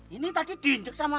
ini tadi diinjek sama